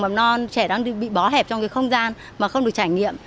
trường mầm non trẻ đang bị bó hẹp trong không gian mà không được trải nghiệm